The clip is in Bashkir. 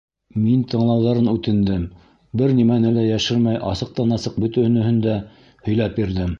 Мин тыңлауҙарын үтендем; бер нимәне лә йәшермәй асыҡтан-асыҡ бөтөнөһөн дә һөйләп бирҙем.